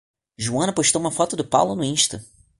Joana postou uma foto do Paulo no Insta